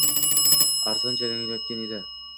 Azon jaranglayotgan edi